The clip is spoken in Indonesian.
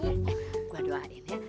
eh gue doain ya